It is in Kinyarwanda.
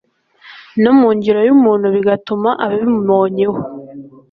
no mu ngiro y'umuntu bigatuma ababimubonyeho